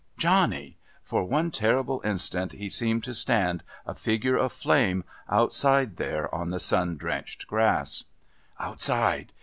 Johnny! For one terrible instant he seemed to stand, a figure of flame, outside there on the sun drenched grass. Outside!